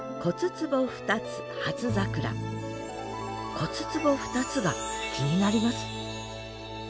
「骨壷ふたつ」が気になります